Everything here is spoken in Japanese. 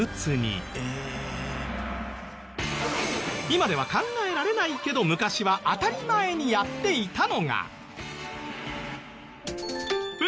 今では考えられないけど昔は当たり前にやっていたのが。